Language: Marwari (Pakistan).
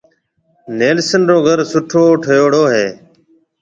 نيلسن رو گھر سُٺو ٺيوڙو ھيََََ